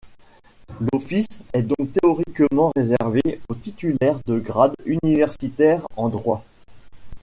L'office est donc théoriquement réservé au titulaire de grades universitaires en droit.